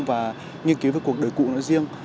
và nghiên cứu về cuộc đời cụ nó riêng